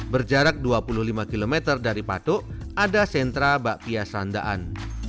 berjarak dua puluh lima km dari patok ada sentra bakpia sandaan